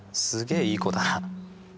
すげえいい子だな。